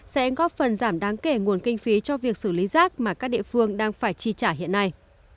sẽ góp phần giảm đáng kể nguồn kinh phí cho việc xử lý rác mà các địa phương đang phải chi trả hiện nay